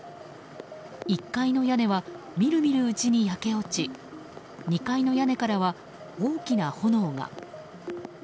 １階の屋根はみるみるうちに焼け落ち２階の屋根からは大きな炎が。